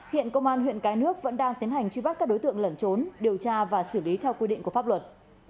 hiện công an huyện cái nước vẫn đang tiến hành truy bắt các đối tượng lẩn trốn điều tra và xử lý theo quy định của pháp luật